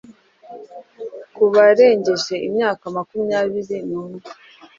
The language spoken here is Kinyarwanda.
ku barengeje imyaka makumyabiri nu mwe,